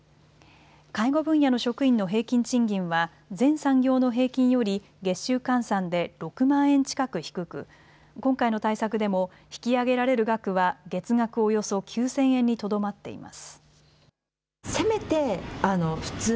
介護分野の職員の平均賃金は全産業の平均より月収換算で６万円近く低く、今回の対策でも引き上げられる額は月額およそ９０００円にとどまっています。